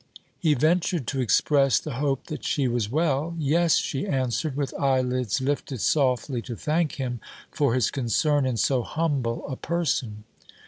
He ventured to express the hope that she was well. 'Yes,' she answered, with eyelids lifted softly to thank him for his concern in so humble a person.